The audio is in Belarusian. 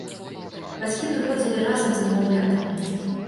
Бацькі прыходзілі разам з немаўлятамі.